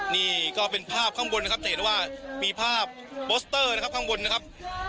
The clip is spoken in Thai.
นี่ก็เป็นภาพข้างบนนะครับจะเห็นว่ามีภาพโปสเตอร์นะครับข้างบนนะครับ